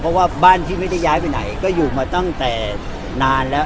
เพราะว่าบ้านที่ไม่ได้ย้ายไปไหนก็อยู่มาตั้งแต่นานแล้ว